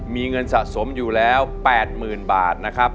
มีเงินสะสมอยู่แล้ว๘๐๐๐บาทนะครับ